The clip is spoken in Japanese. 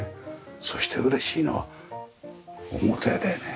そして嬉しいのは表でね